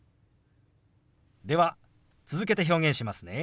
では続けて表現しますね。